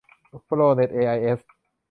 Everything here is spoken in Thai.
โปรเน็ตเอไอเอส